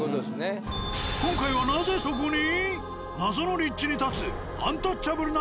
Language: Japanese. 今回はなぜそこに？